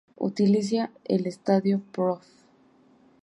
Utiliza el Estádio Prof.